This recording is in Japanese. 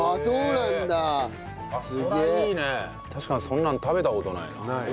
確かにそんなの食べた事ないな。